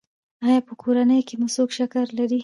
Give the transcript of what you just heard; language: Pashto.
ایا په کورنۍ کې مو څوک شکر لري؟